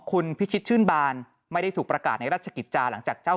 คุณพิชิตชื่นบานไม่ได้ถูกประกาศในราชกิจจาหลังจากเจ้า